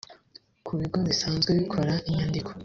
ku bigo bisanzwe bikora inyandiko